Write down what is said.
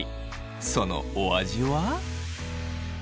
そのお味は？